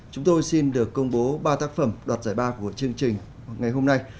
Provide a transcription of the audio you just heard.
chúng tôi xin được công bố ba tác phẩm đoạt giải ba của chương trình ngày hôm nay